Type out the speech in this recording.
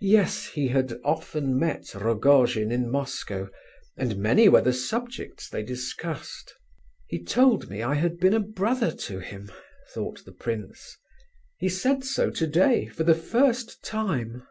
Yes, he had often met Rogojin in Moscow, and many were the subjects they discussed. "He told me I had been a brother to him," thought the prince. "He said so today, for the first time."